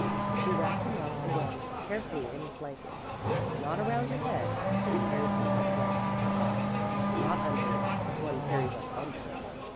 She wrapped him up again carefully in his blanket, but not around his head, and carried him upright on her arm, not under it, as one carries a bundle.